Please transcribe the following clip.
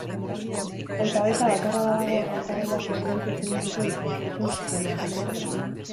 Hautagaitza bakarra badago, hautagaia presidente izendatuko dute, zuzen-zuzenean.